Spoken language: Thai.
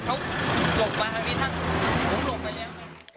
แต่ถ้าเขาหลบดีกว่า